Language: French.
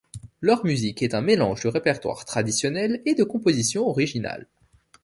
Leur musique est un mélange du répertoire traditionnel et de compositions originales.